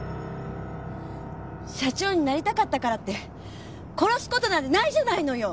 社長になりたかったからって殺す事なんてないじゃないのよ！